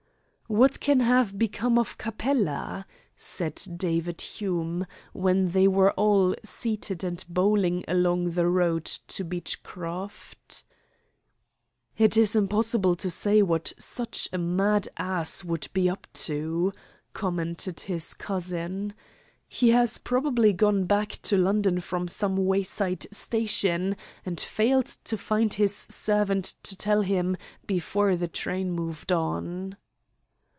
"What can have become of Capella?" said David Hume, when they were all seated and bowling along the road to Beechcroft. "It is impossible to say what such a mad ass would be up to," commented his cousin. "He has probably gone back to London from some wayside station, and failed to find his servant to tell him before the train moved on."